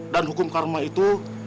dan hukum karma itu